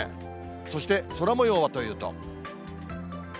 そして、空もようはというと。